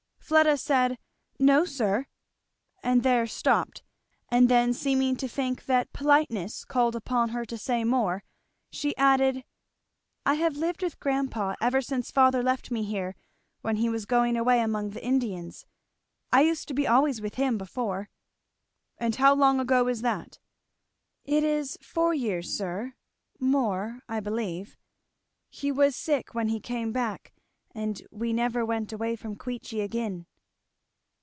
Fleda said "No sir," and there stopped; and then seeming to think that politeness called upon her to say more, she added, "I have lived with grandpa ever since father left me here when he was going away among the Indians, I used to be always with him before." "And how long ago is that?" "It is four years, sir; more, I believe. He was sick when he came back, and we never went away from Queechy again."